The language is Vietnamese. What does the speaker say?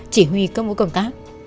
chỉ huy các mũi công tác